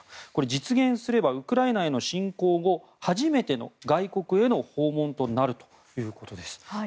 実現すればウクライナへの侵攻後初めての外国への訪問となるということです。